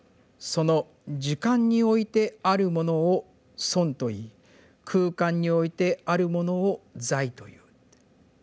その時間においてあるものを存といい空間においてあるものを在という」。